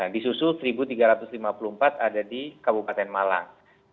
di susul seribu tiga ratus lima puluh empat ada di kabupaten malang